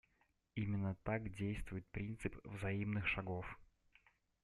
Именно так действует принцип «взаимных шагов».